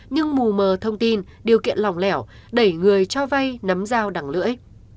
nhưng mù mờ thông tin điều kiện lỏng lẻo đẩy người cho vai nắm dao đằng lưỡi